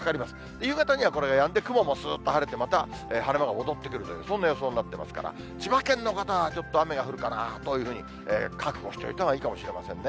夕方にはこれがやんで、雲がすっと晴れて、晴れ間が戻ってくるという、そんな予想になってますから、千葉県の方はちょっと雨が降るかなと、覚悟しておいた方がいいかもしれませんね。